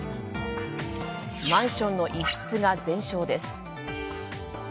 マンションの一室が全焼です。